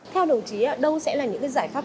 theo đồng chí đâu sẽ là những giải pháp